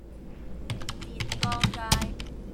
浙江街